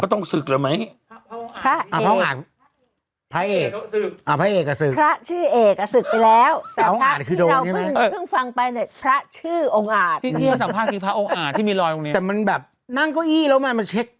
ก็ต้องศึกเหรอไหมพระองค์อาจพระเอกพระเอกก็ศึกพระชื่อเอกก็ศึกไปแล้ว